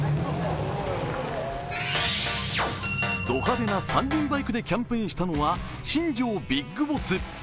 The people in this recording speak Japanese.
ド派手な三輪バイクでキャンプインしたのは新庄ビッグボス。